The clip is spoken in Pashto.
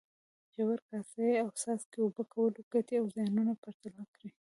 ژور، کاسه یي او څاڅکي اوبه کولو ګټې او زیانونه پرتله کړئ.